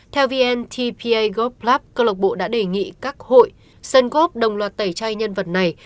theo vn tpa golf club cơ lộc bộ đã đề nghị các hội sân góp đồng loạt tẩy chay nhân vật này